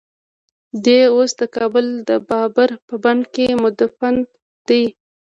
دی اوس د کابل د بابر په بڼ کې مدفون دی.